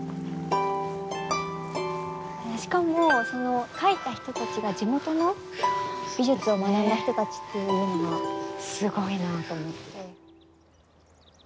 しかもその描いた人たちが地元の美術を学んだ人たちっていうのがすごいなと思って。